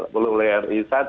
belum oleh pemerintah pusat